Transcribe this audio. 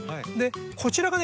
こちらがね